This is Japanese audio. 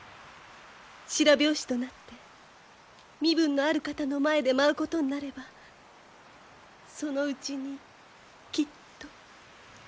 白拍子となって身分のある方の前で舞うことになればそのうちにきっと。